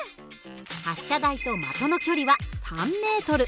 発射台と的の距離は３ｍ。